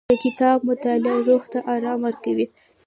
د کتاب مطالعه روح ته ارام ورکوي.